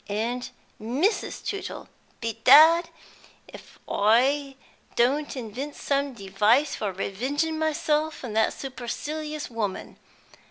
And Mrs. Tootle! Bedad, if I don't invent some device for revenging myself on that supercilious woman.